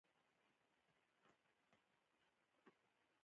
او په آخرت راتلو باندي ښه پوخ باور لري